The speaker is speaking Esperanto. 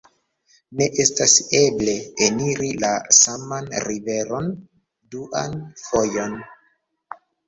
ne estas eble eniri la saman riveron duan fojon.